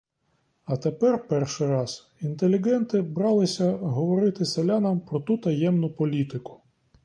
А тепер перший раз інтелігенти бралися говорити селянам про ту таємну політику.